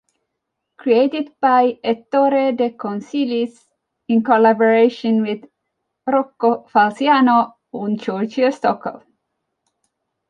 Create d by Ettore De Concilis, in collaboration with Rocco Falciano and Giorgio Stockel.